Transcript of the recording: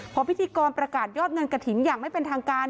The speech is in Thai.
พอพิธีกรประกาศยอดเงินกระถิ่นอย่างไม่เป็นทางการ